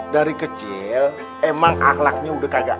dari kecil emang akhlaknya udah kagak